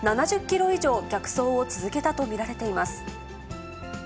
７０キロ以上逆走を続けたと見られています。